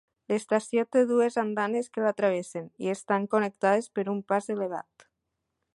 L'estació té dues andanes que la travessen i estan connectades per un pas elevat.